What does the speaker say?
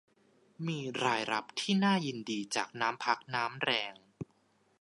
มีรายรับที่น่ายินดีจากน้ำพักน้ำแรง